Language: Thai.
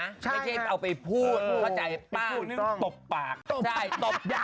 ไม่ใช่เอาไปพูดเข้าใจป้าง